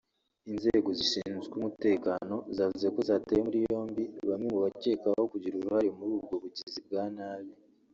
Inzego zishinzwe umutekano zavuze ko zataye muri yombi bamwe mu bakekwaho kugira uruhare muri ubwo bugizi bwa nabi